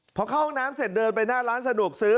พอเข้าห้องน้ำเสร็จเดินไปหน้าร้านสะดวกซื้อ